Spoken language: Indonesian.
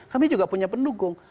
kami juga punya pendukung